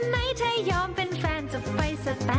ไม่เชื่อไปฟังกันหน่อยค่ะ